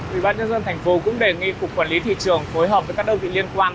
bộ y tế tp hcm cũng đề nghị cục quản lý thị trường phối hợp với các đơn vị liên quan